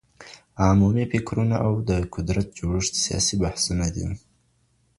عمومي فکرونه او د قدرت جوړښت سیاسي بحثونه دي.